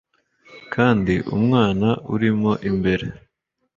kandi umwanda urimo imbere